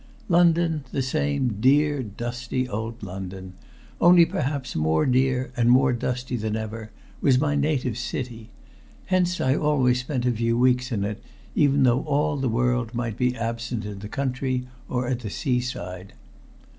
London, the same dear, dusty old London, only perhaps more dear and more dusty than ever, was my native city; hence I always spent a few weeks in it, even though all the world might be absent in the country, or at the seaside.